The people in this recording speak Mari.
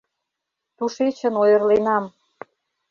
Тушечын ойырленам.